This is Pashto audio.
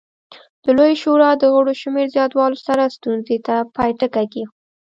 د لویې شورا د غړو شمېر زیاتولو سره ستونزې ته پای ټکی کېښود